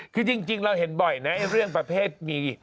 คือจริงเราเห็นบ่อยนะเรื่องประเภทมี